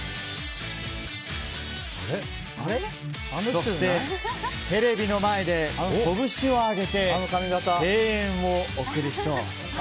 そして、テレビの前で拳を上げて声援を送る人。